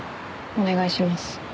お願いします。